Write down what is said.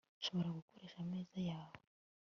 nshobora gukoresha ameza yawe